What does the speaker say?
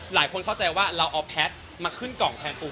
หลายคนเข้าใจว่าเราเอาแพทย์มาขึ้นกล่องแทนปู